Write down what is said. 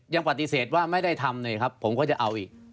ยังปฏิเสธว่าไม่ได้ทำเลยครับผมก็จะเอาอีก